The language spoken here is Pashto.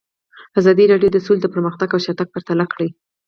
ازادي راډیو د سوله پرمختګ او شاتګ پرتله کړی.